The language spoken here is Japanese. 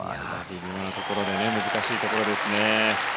微妙なところで難しいところですね。